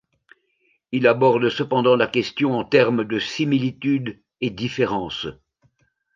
Il aborde cependant la question en termes de similitudes et différences.